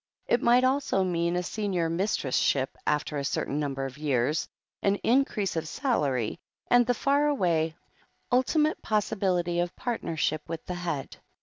It might also mean a Senior Mistress ship after a certain number of years, an increase of salary, and the THE HEEL OF ACHILLES 79 far away, ultimate possibility of partnership with the Head.